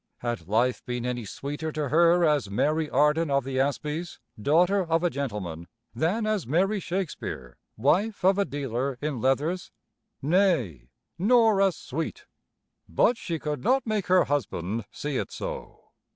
Had life been any sweeter to her as Mary Arden of the Asbies, daughter of a gentleman, than as Mary Shakespeare, wife of a dealer in leathers? Nay, nor as sweet! But she could not make her husband see it so.